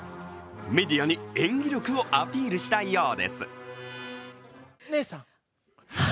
メディアに演技力をアピールしたいようです。